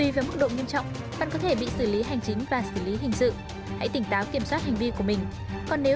hãy đăng ký kênh để ủng hộ kênh của mình nhé